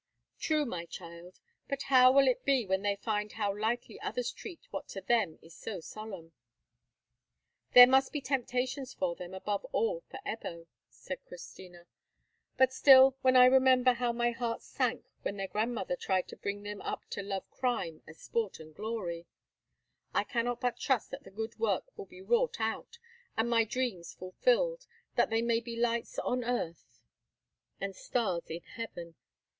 "True, my child; but how will it be when they find how lightly others treat what to them is so solemn?" "There must be temptations for them, above all for Ebbo," said Christina, "but still, when I remember how my heart sank when their grandmother tried to bring them up to love crime as sport and glory, I cannot but trust that the good work will be wrought out, and my dream fulfilled, that they may be lights on earth and stars in heaven.